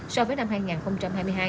so với năm hai nghìn hai mươi hai